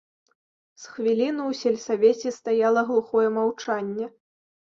З хвіліну ў сельсавеце стаяла глухое маўчанне.